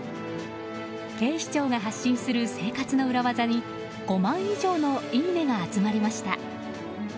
警視庁が発信する生活の裏技に５万以上のいいねが集まりました。